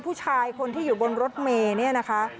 ผู้ชายคนที่อยู่บนรถเมย์เนี่ยนะคะ